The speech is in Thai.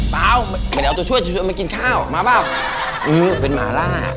เปล่าไม่ได้เอาตัวช่วยมากินข้าวมาเปล่าเออเป็นหมาล่า